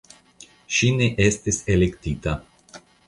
Ŝi ne estis elektita.